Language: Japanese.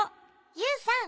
ユウさん。